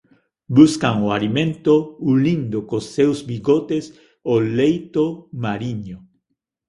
Buscan o alimento ulindo cos seus bigotes o leito mariño.